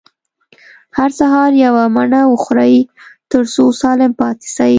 هر سهار يوه مڼه وخورئ، تر څو سالم پاته سئ.